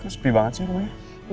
kan sepi banget sih pokoknya